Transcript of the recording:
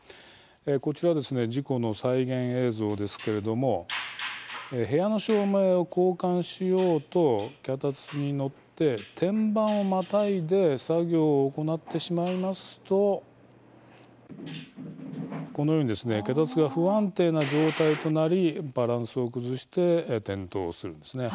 こちら事故の再現映像ですけれども部屋の照明を交換しようと脚立に乗って天板をまたいで作業を行ってしまいますとこのように脚立が不安定な状態となりバランスを崩して転倒するんです。